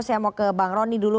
saya mau ke bang rony dulu